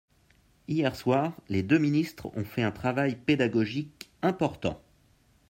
Hier soir, les deux ministres ont fait un travail pédagogique important.